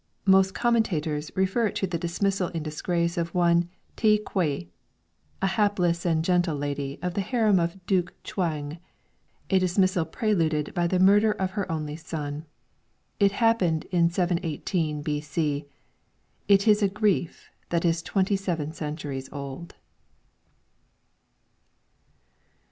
Most of the commentators refer it to the dismissal in disgrace of one Tae Kwei, a hapless and gentle lady of the harem of Duke Chwang, a dismissal preluded by the murder of her only son. It happened in 718 B.C. ; it is a grief that is twenty seven centuries old.